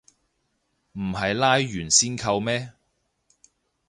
唔係拉完先扣咩